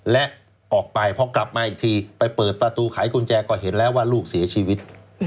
และออกไปพอกลับมาอีกทีไปเปิดประตูขายกุญแจก็เห็นแล้วว่าลูกเสียชีวิต